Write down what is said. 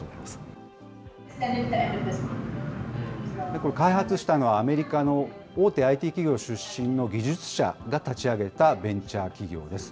これ、開発したのはアメリカの大手ＩＴ企業出身の技術者が立ち上げたベンチャー企業です。